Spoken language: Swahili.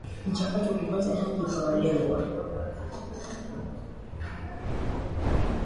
mchakato kupata haki kwa walengwa